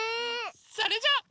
それじゃ。